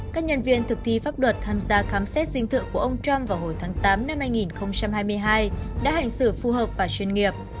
các nhân viên thực thi pháp luật tham gia khám xét dinh thự của ông trump vào hồi tháng tám năm hai nghìn hai mươi hai đã hành xử phù hợp và chuyên nghiệp